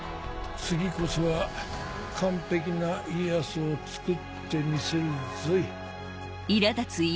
次こそは完璧な家康をつくってみせるぞい。